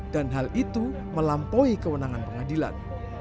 dan hal itu melampaui kewenangan pengadilan